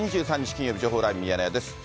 金曜日、情報ライブミヤネ屋です。